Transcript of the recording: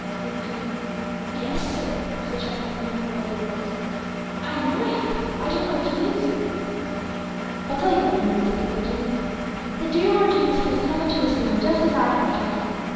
said the clergyman again. "Yes, sir," said Treffy, in a bewildered voice, "I know I have; I don't know what you mean, sir." "I will tell you what I mean," said the clergyman. "The dear Lord Jesus has come into this room just as I have, Treffy.